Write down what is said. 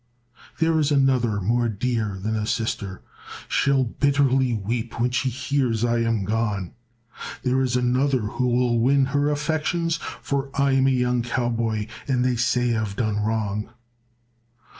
"There is another more dear than a sister, She'll bitterly weep when she hears I am gone. There is another who will win her affections, For I'm a young cowboy and they say I've done wrong.